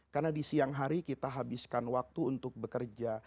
karena di siang hari kita habiskan waktu untuk bekerja